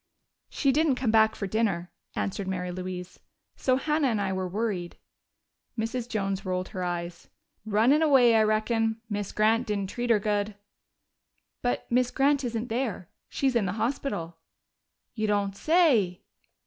"She didn't come back for dinner," answered Mary Louise. "So Hannah and I were worried." Mrs. Jones rolled her eyes. "Runned away, I reckon. Miz Grant didn't treat her good." "But Miss Grant isn't there she's in the hospital." "You don't say!"